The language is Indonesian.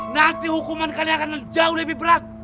nanti hukuman kalian akan jauh lebih berat